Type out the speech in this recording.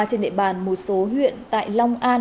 trên địa bàn một số huyện tại long an